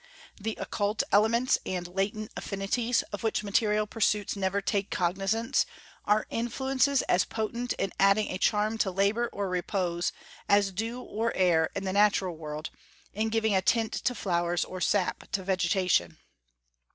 "The occult elements" and "latent affinities," of which material pursuits never take cognizance, are "influences as potent in adding a charm to labor or repose as dew or air, in the natural world, in giving a tint to flowers or sap to vegetation."